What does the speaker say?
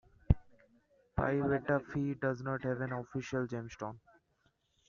Pi Beta Phi does not have an official gemstone.